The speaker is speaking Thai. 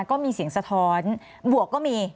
ก็มีเสียงสะท้อนบวกก็มี